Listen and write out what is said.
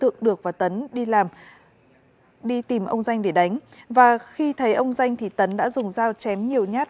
ngô văn được và trần văn tấn đi tìm ông danh để đánh và khi thấy ông danh thì trần văn được đã dùng dao chém nhiều nhát